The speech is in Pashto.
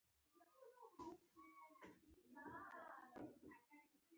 د کندهار په خاکریز کې د څه شي کان دی؟